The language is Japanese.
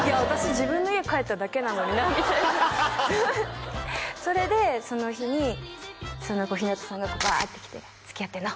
自分の家帰っただけなのになみたいなそれでその日に小日向さんがバーッて来て「つきあってんの？」